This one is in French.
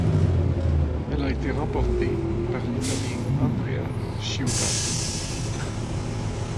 Elle a été remportée par l'Italien Andrea Chiurato.